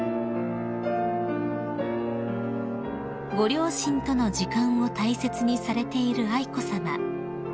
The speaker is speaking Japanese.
［ご両親との時間を大切にされている愛子さま］